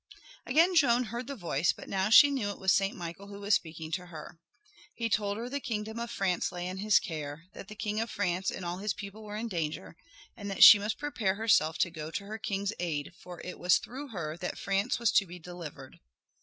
Again Joan heard the voice, but now she knew it was Saint Michael who was speaking to her. He told her the kingdom of France lay in his care, that the king of France and all his people were in danger, and that she must prepare herself to go to her king's aid, for it was through her that France was to be delivered.